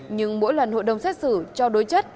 nhưng mỗi lần hội đồng xét xử cho đối chất